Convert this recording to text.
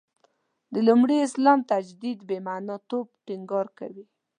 د لومړي اسلام تجدید «بې معنا» توب ټینګار کوي.